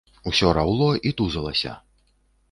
Усё раўло і тузалася.